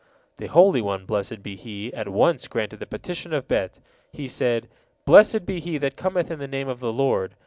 '" The Holy One, blessed be He, at once granted the petition of Bet. He said, "Blessed be he that cometh in the name of the Lord."